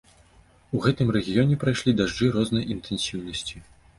У гэтым рэгіёне прайшлі дажджы рознай інтэнсіўнасці.